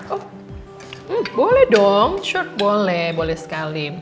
oh boleh dong short boleh boleh sekali